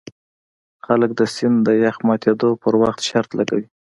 خلک د سیند د یخ ماتیدو په وخت شرط لګوي